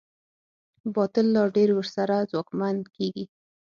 باطل لا ډېر ورسره ځواکمن کېږي.